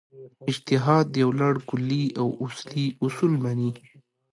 اجتهاد یو لړ کُلي او اصلي اصول مني.